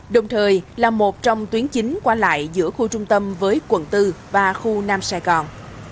đồng thời là một trong tuyến chính qua lại giữa khu trung tâm với quận bốn và khu nam sài gòn